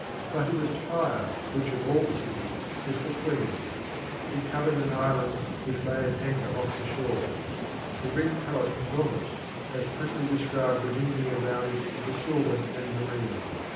But it was Tyre which of all the cities was the queen. It covered an island which lay at anchor off the shore. The Greek poet Nonnus has prettily described the mingling around it of the sylvan and marine.